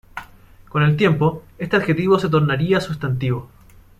Con el tiempo, este adjetivo se tornaría sustantivo.